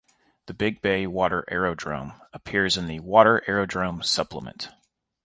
The Big Bay Water Aerodrome appears in the Water Aerodrome Supplement.